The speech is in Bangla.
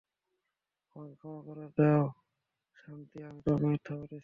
আমাকে ক্ষমা করে দিও শান্তি, আমি তোমাকে মিথ্যা বলেছি।